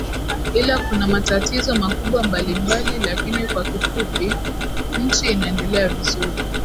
Ila kuna matatizo makubwa mbalimbal lakini kwa kifupui nchi inaendelea vizuri